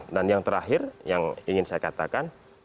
dan yang terakhir yang ingin saya katakan